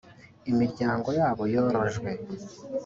imiryango yabo yorojwe